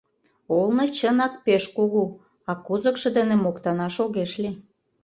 Олно, чынак, пеш кугу, а кузыкшо дене моктанаш огеш лий.